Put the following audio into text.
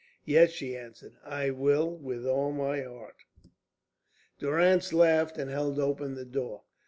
"Yes," she answered, "I will with all my heart." Durrance laughed and held open the door.